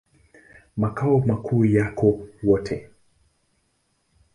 Makao makuu yako Wote.